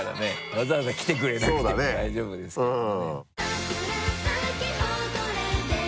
わざわざ来てくれなくても大丈夫ですけどね。